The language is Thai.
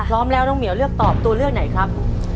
พร้อมแล้วน้องเหมียวเลือกตอบตัวเลือกไหนครับ